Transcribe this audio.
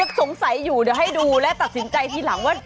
สงสัยอยู่เดี๋ยวให้ดูและตัดสินใจทีหลังว่า